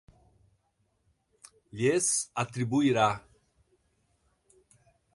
lhes atribuirá